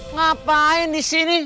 ngapain di sini